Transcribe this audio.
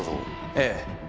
ええ。